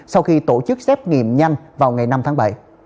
sau khi tổ chức xét nghiệm nhanh vào ngày năm tháng bảy